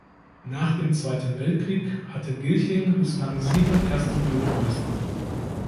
Nach dem Zweiten Weltkrieg hatte Gilching bislang sieben Erste Bürgermeister.